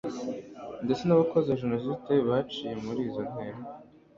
ndetse n'abakoze jenoside baciye muri izo ntera